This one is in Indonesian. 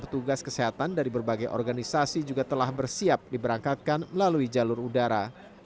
petugas kesehatan dari berbagai organisasi juga telah bersiap diberangkatkan melalui jalur udara